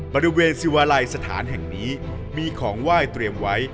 บริเวณสิวาลัยสถานแห่งนี้มีของไหว้เตรียมไว้